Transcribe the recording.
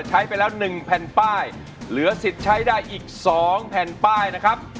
ใช้ไปแล้ว๑แผ่นป้ายเหลือสิทธิ์ใช้ได้อีก๒แผ่นป้ายนะครับ